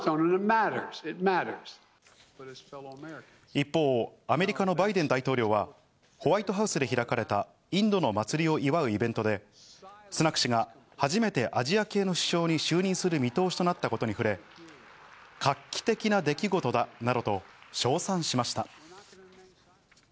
一方、アメリカのバイデン大統領はホワイトハウスで開かれたインドの祭りを祝うイベントで、スナク氏が初めてアジア系の首相に就任する見通しとなったことに触れ、画期的な出来事だなどと称賛しました。